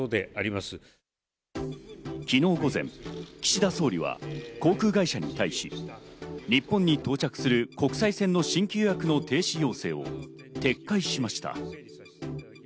昨日午前、岸田総理は航空会社に対し、日本に到着する国際線の新規予約の停止要請を撤回しました。